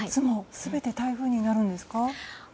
全て台風になるんですか？